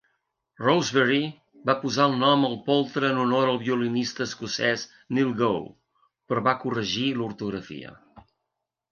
Rosebery va posar el nom al poltre en honor al violinista escocès Niel Gow però va "corregir" l'ortografia.